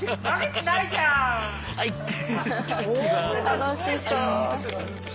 楽しそう。